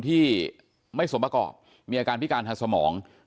ที่ไม่สมประกอบมีอาการพิการทางสมอง